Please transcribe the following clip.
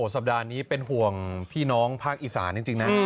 สัปดาห์นี้เป็นห่วงพี่น้องภาคอีสานจริงนะ